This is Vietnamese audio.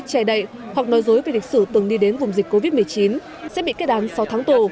che đậy hoặc nói dối về lịch sử từng đi đến vùng dịch covid một mươi chín sẽ bị kết án sáu tháng tù